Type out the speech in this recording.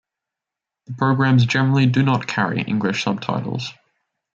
The programmes generally do not carry English subtitles.